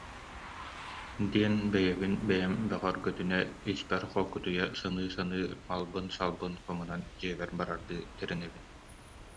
диэн бэйэбин бэйэм бөҕөргөтүнэ, испэр холкутуйа саныы-саныы малбын-салбын хомунан, дьиэбэр барардыы тэринэбин